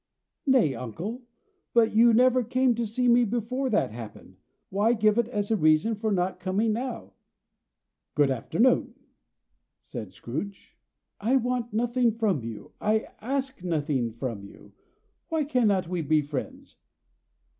"Nay, uncle, but you never came to see me before that happened. Why give it as a reason for not coming now?" "Good afternoon," said Scrooge. "I want nothing from you; I ask nothing of you; why cannot we be friends?"